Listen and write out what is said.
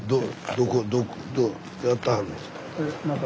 どどやってはるんですか？